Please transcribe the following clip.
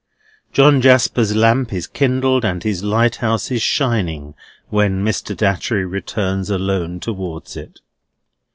John Jasper's lamp is kindled, and his lighthouse is shining when Mr. Datchery returns alone towards it.